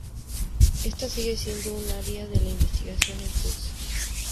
Ésta sigue siendo un área de la investigación en curso.